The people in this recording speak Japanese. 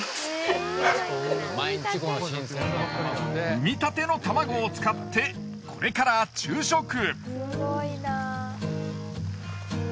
生みたての卵を使ってこれから昼食。